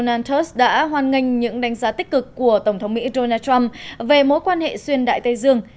antus đã hoan nghênh những đánh giá tích cực của tổng thống mỹ donald trump về mối quan hệ xuyên đại tây dương